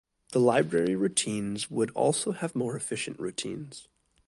The library routines would also have more efficient routines.